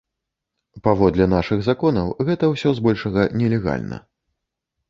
Паводле нашых законаў, гэта ўсё збольшага нелегальна.